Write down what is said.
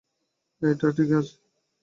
এই টিকা কীসের?